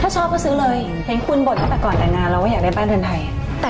ถ้าชอบก็ซื้อเลยเพื่องคุณบทกลแต่ก่อนถ้ายงานเราว่าอยากได้แป๊บอีก้อนไทย